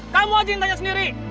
kamu aja yang tanya sendiri